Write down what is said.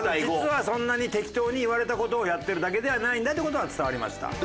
実はそんなに適当に言われた事をやってるだけではないんだっていう事は伝わりました。